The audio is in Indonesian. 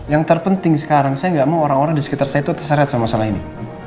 yang terpenting sekarang saya nggak mau orang orang di sekitar saya itu terseret sama masalah ini